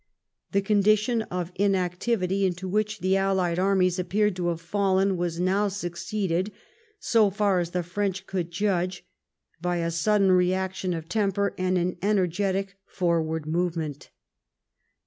The condition of in activity into which the allied armies appeared to have fallen was now succeeded, so far as the French could judge, by a sudden reaction of temper and an ener getic forward movement.